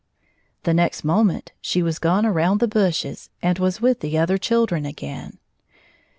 The next moment she was gone around the bushes and was with the other children again.